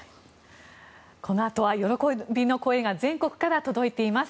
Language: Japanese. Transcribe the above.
このあとは喜びの声が全国から届いています。